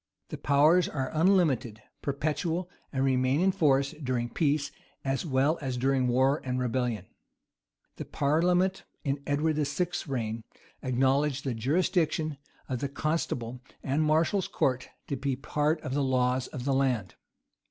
The powers are unlimited, perpetual, and remain in force during peace as well as during war and rebellion. The parliament in Edward VI.'s reign acknowledged the jurisdiction of the constable and martial's court to be part of the law of the land.